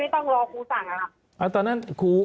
ไม่ต้องรอว่าลุมอะไรอย่างนี้ไม่ต้องรอครูสั่งค่ะ